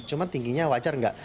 cuma tingginya wajar nggak